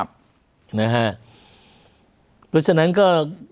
เพราะฉะนั้นก็